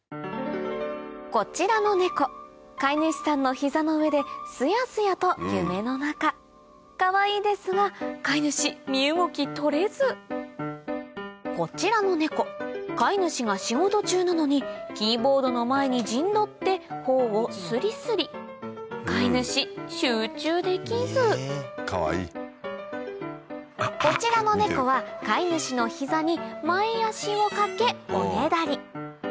こちらのネコ飼い主さんの膝の上ですやすやと夢の中かわいいですが飼い主身動きとれずこちらのネコ飼い主が仕事中なのにキーボードの前に陣取って頬をすりすり飼い主集中できずこちらのネコは飼い主の膝に前足をかけおねだり